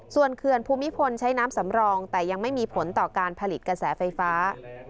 ส่วนเขื่อนภูมิพลใช้น้ำสำรองแต่ยังไม่มีผลต่อการผลิตกระแสไฟฟ้า